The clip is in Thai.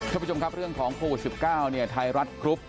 ท่านผู้ชมครับเรื่องของคู่๑๙ไทยรัฐกรุ๊ป